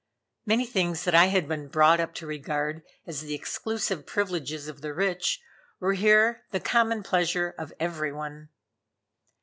Many things that I had been brought up to regard as the exclusive privileges of the rich, were here the common pleasure of every one.